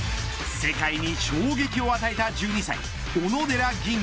世界に衝撃を与えた１２歳小野寺吟雲。